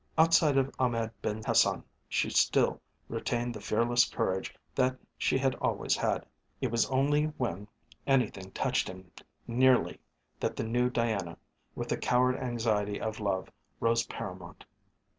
Outside of Ahmed Ben Hassan she still retained the fearless courage that she had always had; it was only when anything touched him nearly that the new Diana, with the coward anxiety of love, rose paramount.